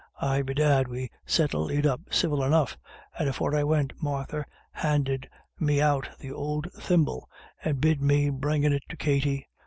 Aye bedad, we settled it up civil enough. And afore I went Martha handed me out th' ould thimble, and bid me be bringin' it to Katty.